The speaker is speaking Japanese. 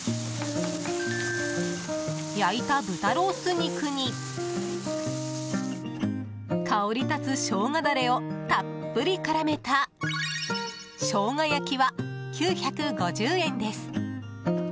焼いた豚ロース肉に香り立つショウガダレをたっぷり絡めた生姜焼きは９５０円です。